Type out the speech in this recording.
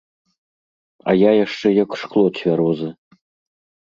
А я яшчэ як шкло цвярозы.